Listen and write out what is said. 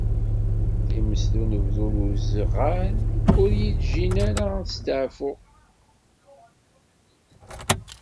Times d unebdu d uzeɣal ur yi-ǧǧin ara ad steɛfuɣ.